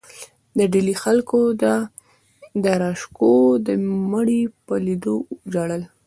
د ډیلي خلکو د داراشکوه د مړي په لیدو ژړل.